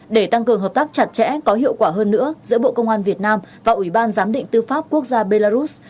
để tăng cường hợp tác chặt chẽ có hiệu quả hơn nữa giữa bộ công an việt nam và ủy ban giám định tư pháp quốc gia belarus